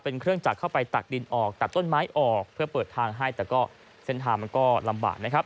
เป็นเครื่องจักรเข้าไปตักดินออกตัดต้นไม้ออกเพื่อเปิดทางให้แต่ก็เส้นทางมันก็ลำบากนะครับ